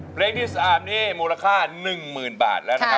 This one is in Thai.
เพลงที่๓นี่มูลค่า๑หมื่นบาทค่ะ